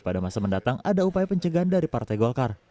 pada masa mendatang ada upaya pencegahan dari partai golkar